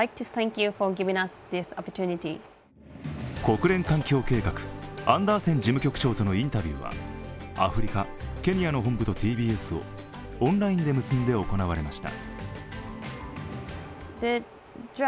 国連環境計画、アンダーセン事務局長とのインタビューはインタビューは、アフリカ・ケニアの本部とＴＢＳをオンラインで結んで行われました。